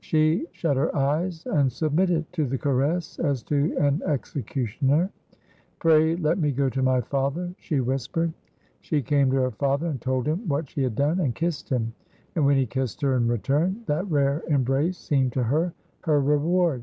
She shut her eyes, and submitted to the caress as to an executioner. "Pray let me go to my father," she whispered. She came to her father and told him what she had done, and kissed him, and when he kissed her in return, that rare embrace seemed to her her reward.